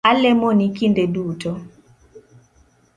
Alemoni kinde duto